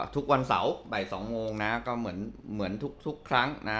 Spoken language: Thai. ทุกวันเสาร์ใบ๒โมงเหมือนทุกครั้ง